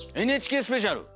「ＮＨＫスペシャル」？